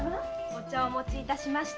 お茶をお持ちいたしました。